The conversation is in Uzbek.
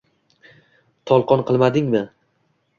Tolqon qilmadingmi?